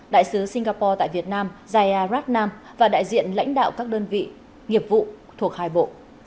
đại sứ singapore tại việt nam zaya ratnam và đại diện lãnh đạo các đơn vị nghiệp vụ thuộc hai bộ